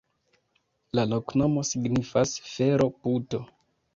La loknomo signifas: fero-puto.